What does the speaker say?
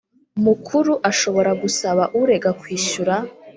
Mukuru ashobora gusaba urega kwishyura